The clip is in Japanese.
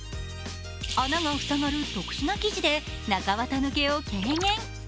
穴がふさがる特殊な生地で中綿抜けを軽減。